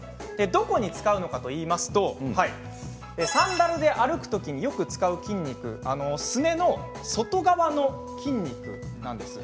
どこに使うのかといいますとサンダルで歩くときによく使う筋肉すねの外側の筋肉なんです。